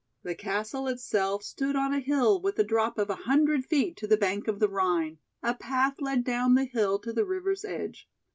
The castle itself stood on a hill with a drop of a hundred feet to the bank of the Rhine, a path led down the hill to the river's edge.